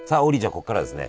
ここからはですね